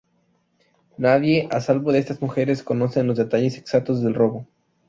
Nadie, a salvo de estas mujeres conocen los detalles exactos del robo.